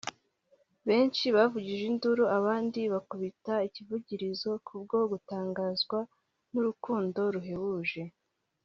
benshi bavugije induru abandi bakubita ikivugirizo ku bwo gutangazwa n’uru rukundo ruhebuje